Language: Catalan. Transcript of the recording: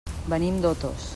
Venim d'Otos.